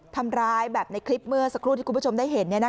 ทำร้ายแบบในคลิปเมื่อสักครู่ที่คุณผู้ชมได้เห็น